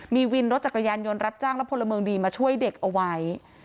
มีวินรถจักรยานยนต์รับจ้างและพลเมืองดีมาช่วยเด็กเอาไว้